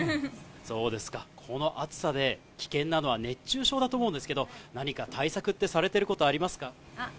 この暑さで危険なのは、熱中症だと思うんですけど、何か対策ってされてることありますか？